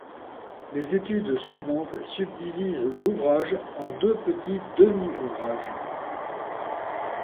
Les études suivantes subdivisent l'ouvrage en deux petits demi-ouvrages.